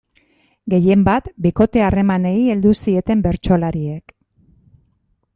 Gehienbat, bikote-harremanei heldu zieten bertsolariek.